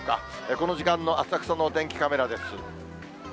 この時間の浅草のお天気カメラです。